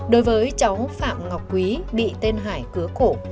đối với cháu phạm ngọc quý bị tên hải cứa cổ